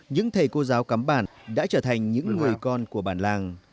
những thầy cô giáo cắm bản đã trở thành những người con của bản làng